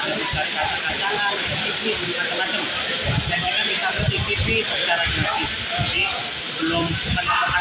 di sini ada beli oleh oleh ada maku kaudos